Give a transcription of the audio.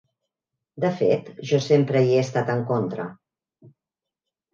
De fet, jo sempre hi he estat en contra.